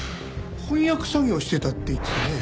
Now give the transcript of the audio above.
翻訳作業をしてたって言ってたね。